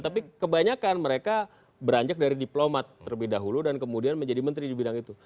tapi kebanyakan mereka beranjak dari diplomat terlebih dahulu dan kemudian menjadi menteri di bidang itu